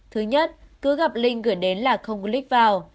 thứ nhất cứ gặp link gửi đến là không click vào